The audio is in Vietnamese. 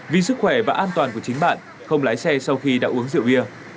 vì sức khỏe và an toàn của chính bạn không lái xe sau khi đã uống rượu bia